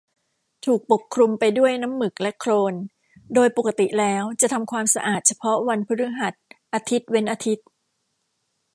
ถูกปกคลุมไปด้วยน้ำหมึกและโคลนโดยปกติแล้ว จะทำความสะอาดเฉพาะวันพฤหัส อาทิตย์เว้นอาทิตย์